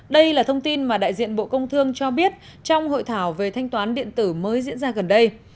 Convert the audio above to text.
đây là thông tin mà đại diện bộ công thương cho biết trong hội thảo về thanh toán điện tử mới diễn ra gần đây